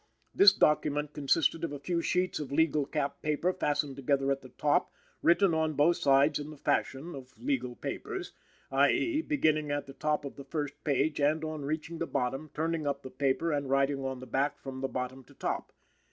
This document consisted of a few sheets of legal cap paper fastened together at the top, written on both sides in the fashion of legal papers, i. e., beginning at the top of the first page and, on reaching the bottom, turning up the paper and writing on the back from the bottom to top.